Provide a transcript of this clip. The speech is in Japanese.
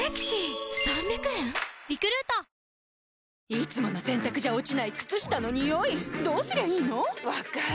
いつもの洗たくじゃ落ちない靴下のニオイどうすりゃいいの⁉分かる。